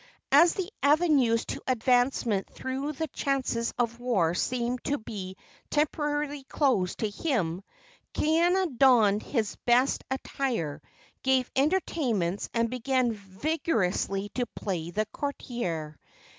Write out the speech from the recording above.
As the avenues to advancement through the chances of war seemed to be temporarily closed to him, Kaiana donned his best attire, gave entertainments and began vigorously to play the courtier.